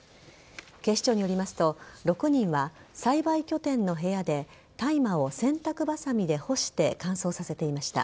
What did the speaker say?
警視庁によりますと、６人は栽培拠点の部屋で大麻を洗濯バサミで干して乾燥させていました。